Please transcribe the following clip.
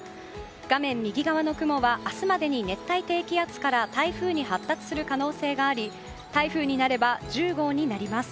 画面右側の雲は明日までに熱帯低気圧から台風に発達する可能性があり台風になれば１０号になります。